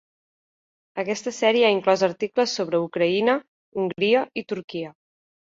Aquesta sèrie ha inclòs articles sobre Ucraïna, Hongria i Turquia.